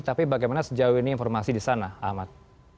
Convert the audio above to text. tapi bagaimana sejauh ini informasi di sana ahmad